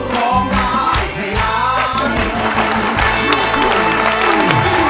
ร้องได้ให้รัก